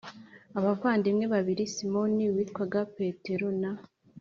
abavandimwe babiri Simoni witwaga Petero na